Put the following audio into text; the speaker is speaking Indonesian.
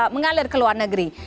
mengalir ke luar negeri